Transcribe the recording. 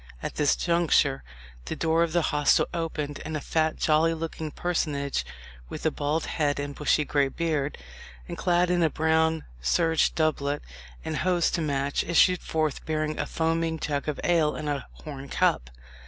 At this juncture the door of the hostel opened, and a fat jolly looking personage, with a bald head and bushy grey beard, and clad in a brown serge doublet, and hose to match, issued forth, bearing a foaming jug of ale and a horn cup.